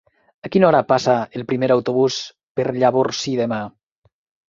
A quina hora passa el primer autobús per Llavorsí demà?